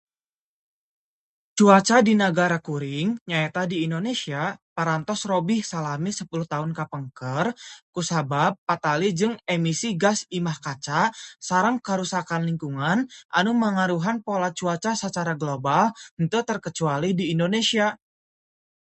Cuaca di nagara kuring nyaeta di Indonesia parantos robih salami 10 tahun kapengker kusabab patali jeung emisi gas imah kaca sareng karusakan lingkungan anu mangaruhan pola cuaca sacara global, henteu terkecuali di Indonesia.